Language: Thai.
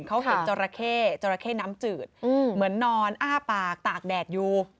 เขาเห็นจราเข้จราเข้น้ำจืดเหมือนนอนอ้าปากตากแดดอยู่